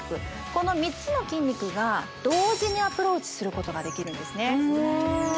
この３つの筋肉が同時にアプローチすることができるんですね